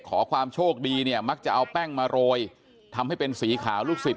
ขอความโชคดีเนี่ยมักจะเอาแป้งมาโรยทำให้เป็นสีขาวลูกศิษย